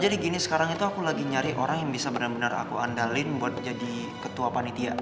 jadi gini sekarang itu aku lagi nyari orang yang bisa bener bener aku andalin buat jadi ketua panitia